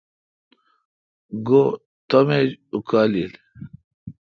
گو تم ایج اکالیل